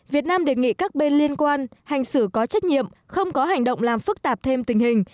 việt nam đề nghị các bên liên quan hành xử có trách nhiệm không có hành động làm phức tạp thêm tình hình